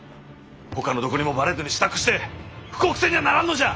ほかのどこにもばれずに支度して布告せにゃあならんのじゃ。